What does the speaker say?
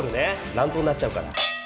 乱闘になっちゃうから。